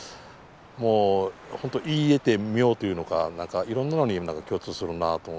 もう本当言い得て妙というのか何かいろんなのに共通するなと思って。